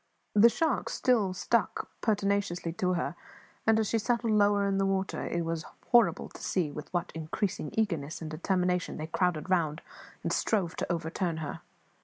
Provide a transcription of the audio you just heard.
The sharks still stuck pertinaciously to her; and as she settled lower in the water it was horrible to see with what increasing eagerness and determination they crowded round and strove to overturn her.